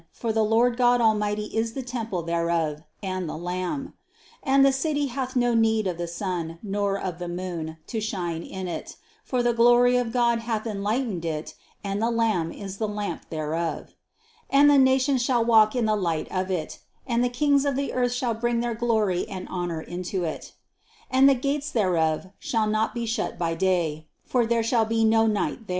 For the Lord God Almighty is the temple thereof, and the Lamb. 23. And the city hath no need of the sun, nor of the moon, to shine in it; for the glory of God hath enlightened it, and the Lamb is the lamp thereof. 24. And the nations shall walk in the light of it; and the kings of the earth shall bring their glory and honor into it. 25. And the gates thereof shall not be shut by day ; for there shall be no night there.